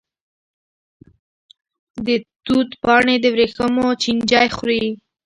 د توت پاڼې د وریښمو چینجی خوري.